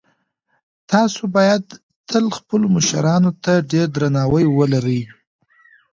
تاسو باید تل خپلو مشرانو ته ډېر درناوی ولرئ.